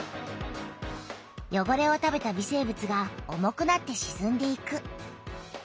よごれを食べた微生物が重くなってしずんでいく。